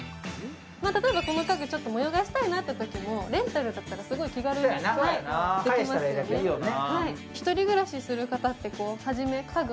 例えばこの家具、ちょっともよう替えしたいなと思ってもレンタルだったら気軽に変更できますよね。